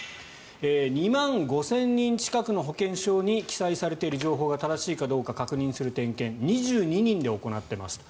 ２万５０００人近くの保険証に記載されている情報が正しいかどうか確認する点検２２人で行っていますと。